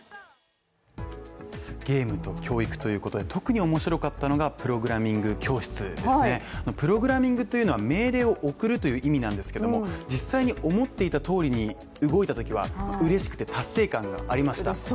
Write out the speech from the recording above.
ゲームと教育ということで特に面白かったのがプログラミング教室プログラミングというのは命令を送るという意味なんですけども、実際に思っていた通りに動いたときは嬉しくて達成感がありました